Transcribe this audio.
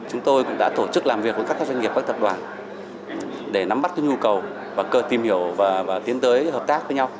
chúng tôi cũng đã tổ chức làm việc với các doanh nghiệp các tập đoàn để nắm bắt nhu cầu và cơ tìm hiểu và tiến tới hợp tác với nhau